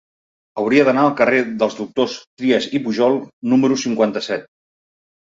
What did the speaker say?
Hauria d'anar al carrer dels Doctors Trias i Pujol número cinquanta-set.